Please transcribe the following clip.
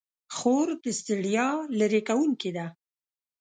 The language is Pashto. خور د ستړیا لیرې کوونکې ده.